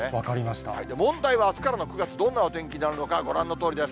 問題はあすからの９月、どんなお天気になるのか、ご覧のとおりです。